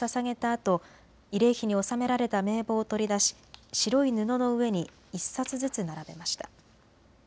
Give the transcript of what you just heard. あと慰霊碑に納められた名簿を取り出し、白い布の上に１冊ずつ並べました。